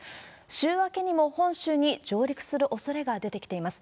週明けにも本州に上陸するおそれが出てきています。